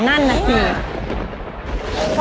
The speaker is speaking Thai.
นั่นนะคะ